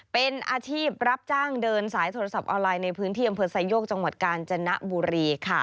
เป็นอาชีพรับจ้างเดินสายโทรศัพท์ออนไลน์ในพื้นที่อำเภอไซโยกจังหวัดกาญจนบุรีค่ะ